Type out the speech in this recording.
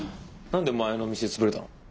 何で前の店潰れたの？